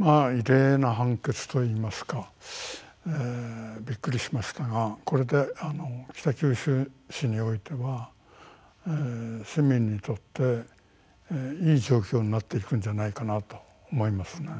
異例な判決といいますかびっくりしましたがこれで北九州市においては市民にとっていい状況になっていくんじゃないかなと思いますね。